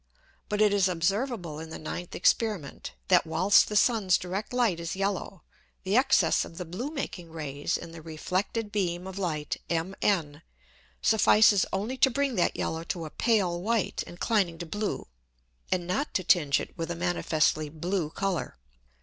But it is observable in the ninth Experiment, that whilst the Sun's direct Light is yellow, the Excess of the blue making Rays in the reflected beam of Light MN, suffices only to bring that yellow to a pale white inclining to blue, and not to tinge it with a manifestly blue Colour.